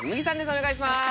お願いします。